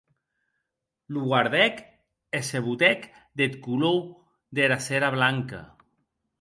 Lo guardèc e se botèc deth color dera cera blanca.